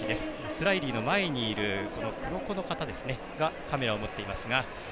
スラィリーの前にいる黒子の方がカメラを持っていますが。